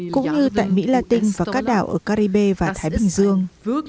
cũng như tại mỹ latin và các đảo ở caribe và thái bình dương